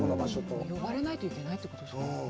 呼ばれないといけないってことですもんね。